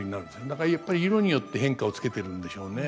だからやっぱり色によって変化をつけてるんでしょうね。